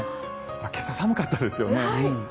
今朝、寒かったですよね。